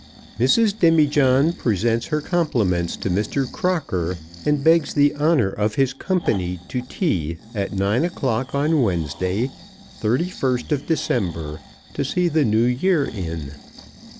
Mrs. Demijohn presents her compliments to Mr. Crocker, and begs the honour of his company to tea at nine o'clock on Wednesday, 31st of December, to see the New Year in.